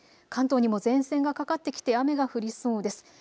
関東にも前線がかかってきて雨が降りそうです。